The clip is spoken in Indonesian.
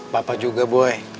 papa juga boy